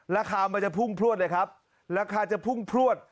ราคามันจะพุ่งพลวดเลยครับราคาจะพุ่งพลวด